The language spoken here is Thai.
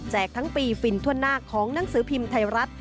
ทั้งปีฟินทั่วหน้าของหนังสือพิมพ์ไทยรัฐ